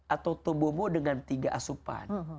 atau tubuhmu dengan tiga asupan